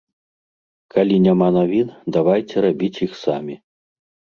Калі няма навін, давайце рабіць іх самі.